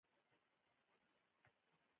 دوی وسپنه او فولاد صادروي.